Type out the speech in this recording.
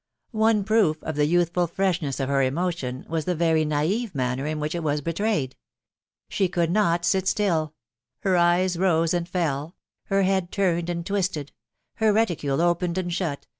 , One proof of the youthful freshness of her emotion was the very naive manner in which it was betrayed. She could not sit still .,.. her eyes rose and fell ..•. her head turned and 508 THJl WIDOW BABNABT. twisted .... her reticule opened and shut